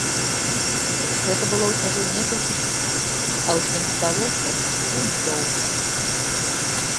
Гэта было ўсяго некалькі секунд, а ўсім здалося, што вельмі доўга.